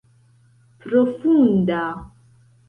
profunda